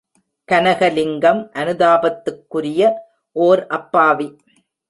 கனகலிங்கம்! அனுதாபத்துக்குரிய ஓர் அப்பாவி!